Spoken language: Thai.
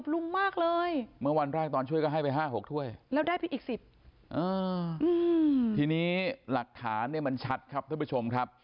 เหรอทีนี้หลักฐานมันชัดครับทุกคุณผู้ชมครับ